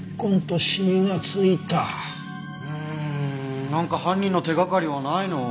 うーんなんか犯人の手掛かりはないの？